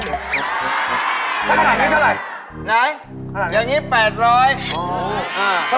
ถ้าขนาดนี้เท่าไรไหน